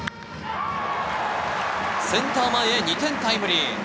センター前へ２点タイムリー。